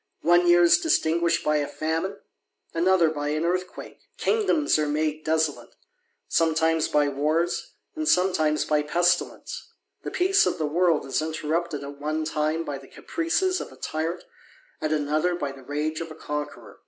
One year is distinguished by a famine, another by an earthquake \ kingdoms are made desolate, THE ADVENTURER. 257 sometimes by wars, and sometimes by pestilence; the peace of the world is interrupted at one time by the caprices of a tyrant, at another by the rage of a conqueror.